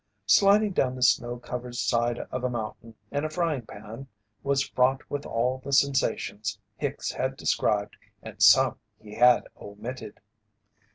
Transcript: Sliding down the snow covered side of a mountain in a frying pan was fraught with all the sensations Hicks had described and some he had omitted.